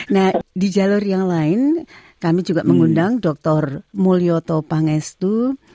nah di jalur yang lain kami juga mengundang dr mulyoto pangestu